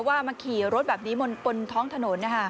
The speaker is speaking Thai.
ว่ามาขี่รถแบบนี้บนท้องถนน